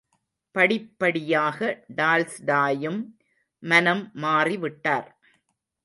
படிப்படியாக டால்ஸ்டாயும் மனம் மாறிவிட்டார்.